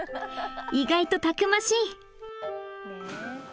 意外とたくましい！